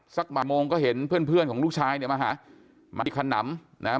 สักบาทโมงก็เห็นเพื่อนของลูกชายเนี่ยมาหามาที่ขนำนะฮะ